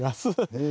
へえ。